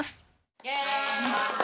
イェーイ！